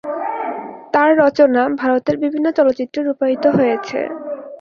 তার রচনা ভারতের বিভিন্ন চলচ্চিত্রে রূপায়িত হয়েছে।